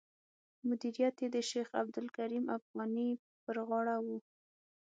مدیریت یې د شیخ عبدالکریم افغاني پر غاړه و.